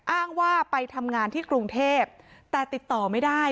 อ้างว่าไปทำงานที่กรุงเทพแต่ติดต่อไม่ได้